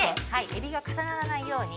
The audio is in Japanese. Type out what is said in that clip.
◆エビが重ならないように。